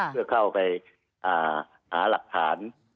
เพื่อเข้าไปหาหลักฐาน